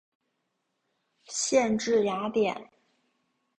县治雅典。